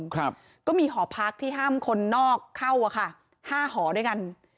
ก็มีหอพักที่ห้ามคนนอกเข้าค่ะ๕หอด้วยกัน